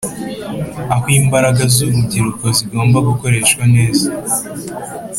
aho imbaraga z'urubyiruko zigomba gukoreshwa neza.